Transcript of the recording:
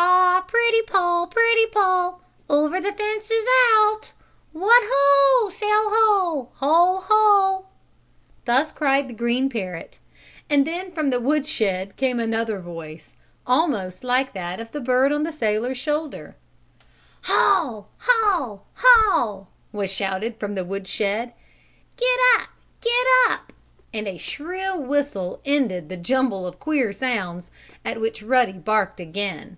"Ha! Ha! Pretty Poll! Pretty Poll! Over the fence is out! What ho! Sail ho! Ho! Ho!" Thus cried the green parrot, and then from the woodshed came another voice, almost like that of the bird on the sailor's shoulder. "Haw! Haw! Haw!" was shouted from the wood shed. "Get up! Get up! Whew ew ew e e e e e ah!" and a shrill whistle ended the jumble of queer sounds, at which Ruddy barked again.